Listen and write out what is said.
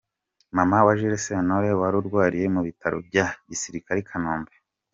Mama wa Jules Sentore warurwariye mu Bitaro bya Gisirikare i Kanombe.